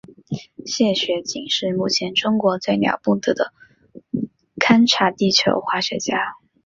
谢学锦是目前中国最了不得的勘察地球化学家。